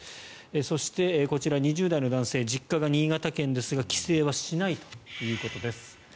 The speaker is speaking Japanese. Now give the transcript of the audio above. そして、こちら、２０代の男性実家が新潟県ですが帰省はしないということです。